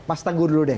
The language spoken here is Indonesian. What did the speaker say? mas tengguh dulu deh